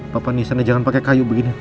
papa nisanya jangan pake kayu begini